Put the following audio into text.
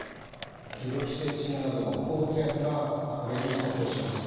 デュロキセチンなどの抗うつ薬がこれに相当します。